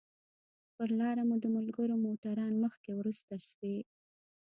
پر لاره مو د ملګرو موټران مخکې وروسته شوي.